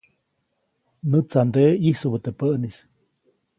Näʼtsanteʼe ʼyisubäʼ teʼ päʼnis.